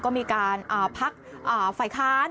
ก็มีการพักฝ่ายค้าน